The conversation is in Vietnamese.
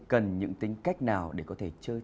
cần những tính cách nào để có thể chơi